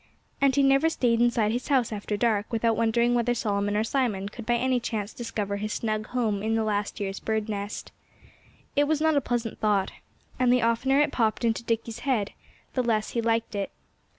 And he never stayed inside his house after dark without wondering whether Solomon or Simon could by any chance discover his snug home in the last year's bird's nest. It was not a pleasant thought. And the oftener it popped into Dickie's head the less he liked it.